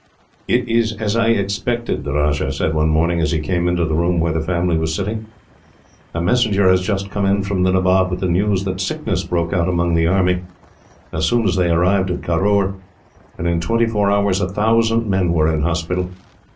"It is as I expected," the Rajah said, one morning, as he came into the room where the family was sitting. "A messenger has just come in from the Nabob, with the news that sickness broke out among the army, as soon as they arrived at Caroor, and in twenty four hours a thousand men were in hospital.